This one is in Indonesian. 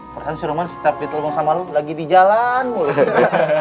perhentian sih roman setiap ditolong sama lo lagi di jalan mulutnya